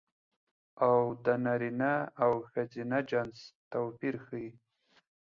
او د نرينه او ښځينه جنس توپير ښيي